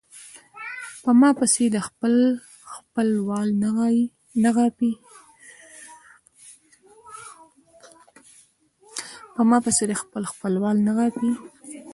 پۀ ما پسې د خپل خپل وال نه غاپي